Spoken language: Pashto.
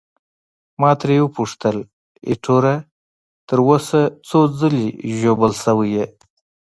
ما ترې وپوښتل: ایټوره، تر اوسه څو ځلي ژوبل شوی یې؟